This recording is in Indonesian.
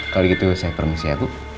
kalo gitu saya permisi ya bu